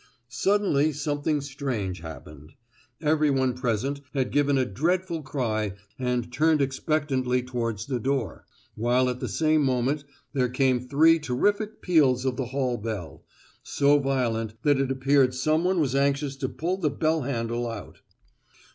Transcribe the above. Suddenly something strange happened; everyone present had given a dreadful cry and turned expectantly towards the door, while at the same moment there came three terrific peals of the hall bell, so violent that it appeared someone was anxious to pull the bell handle out.